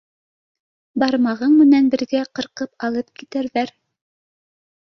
Бармағың менән бергә ҡырҡып алып китерҙәр